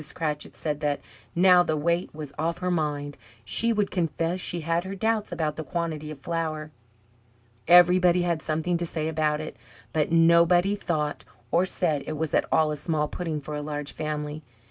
Cratchit said that, now the weight was off her mind, she would confess she had her doubts about the quantity of flour. Everybody had something to say about it, but nobody thought or said it was at all a small pudding for a large family.